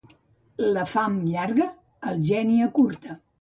La fam llarga el geni acurta.